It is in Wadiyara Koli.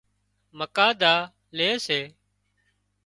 مُڪاڌا لي سي